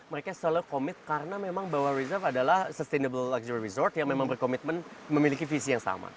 mereka selalu komit karena memang bahwa reserve adalah sustainable actor resort yang memang berkomitmen memiliki visi yang sama